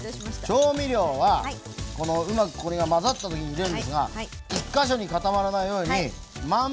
調味料はうまくこれが混ざった時に入れるんですが１か所に固まらないように満遍なくかかるようにね。